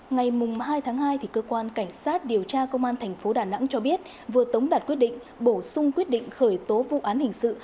ngày hai tháng hai cơ quan cảnh sát điều tra công an tp đà nẵng cho biết vừa tống đạt quyết định bổ sung quyết định khởi tố vụ án hình sự